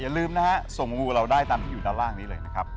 ลืมนะฮะส่งงูเราได้ตามที่อยู่ด้านล่างนี้เลยนะครับ